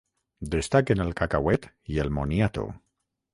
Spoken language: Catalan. Destaquen el cacauet i el moniato.